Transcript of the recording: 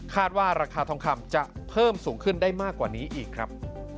ว่าราคาทองคำจะเพิ่มสูงขึ้นได้มากกว่านี้อีกครับ